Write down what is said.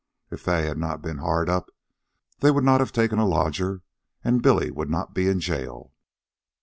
If they had not been hard up, they would not have taken a lodger, and Billy would not be in jail.